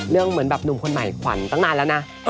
เหมือนแบบหนุ่มคนใหม่ขวัญตั้งนานแล้วนะ